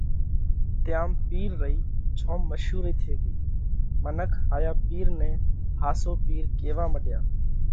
تيام پِير رئِي جوم مشُورئِي ٿي ڳئِي۔ منک هايا پِير نئہ ۿاسو پِير ڪيوا مڏيا۔